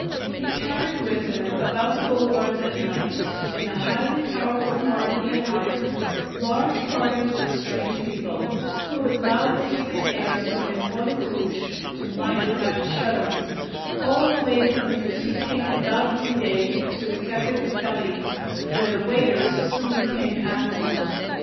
He carried with him, about the boulevards at night, in the highly powerful car he had hired, large parties of strange people, who would loudly sing airs from the Folie Rouge (to my unhappy shudderings) all the way from the fatiguing Bal Bullier to the Cafe' de Paris, where the waiters soon became affluent.